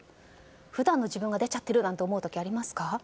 普段の自分が出ちゃってるなんて思う時はありますか。